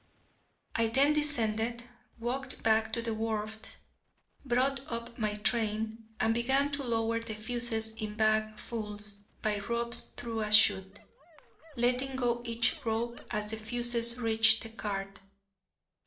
I then descended, walked back to the wharf, brought up my train, and began to lower the fuses in bag fulls by ropes through a shoot, letting go each rope as the fuses reached the cart.